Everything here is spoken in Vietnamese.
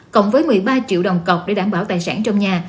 cộng với một mươi ba triệu đồng cọc để đảm bảo tài sản trong nhà